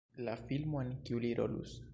la filmo en kiu li rolus